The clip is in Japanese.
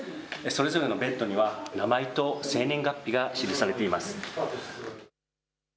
それぞれのベッドには、名前と生年月日が記されています。